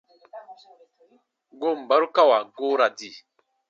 Goon barukawa goo ra di.